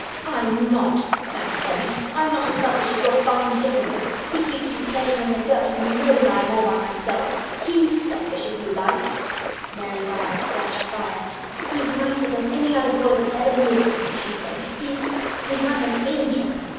"I'm not!" snapped Colin. "I'm not as selfish as your fine Dickon is! He keeps you playing in the dirt when he knows I am all by myself. He's selfish, if you like!" Mary's eyes flashed fire. "He's nicer than any other boy that ever lived!" she said. "He's—he's like an angel!"